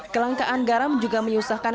kelangkaan garam juga menyusahkan